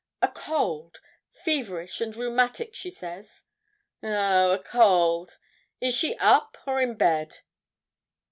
'A cold feverish and rheumatic, she says.' 'Oh, a cold; is she up, or in bed?'